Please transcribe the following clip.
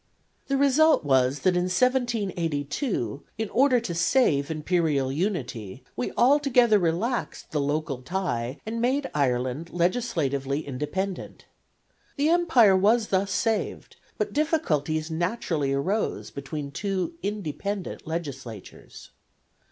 The result was that in 1782, in order to save Imperial unity, we altogether relaxed the local tie and made Ireland legislatively independent. The Empire was thus saved, but difficulties naturally arose between two independent legislatures.